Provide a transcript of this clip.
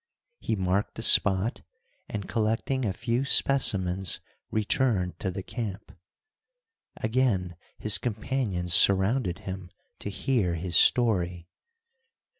He marked the spot, and collecting a few specimens, returned to the camp. Again his companions surrounded him to hear his story.